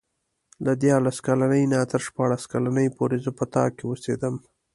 له دیارلس کلنۍ نه تر شپاړس کلنۍ پورې زه په تا کې اوسېدم.